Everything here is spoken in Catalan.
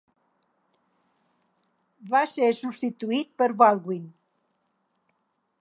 Va ser substituït per Baldwin.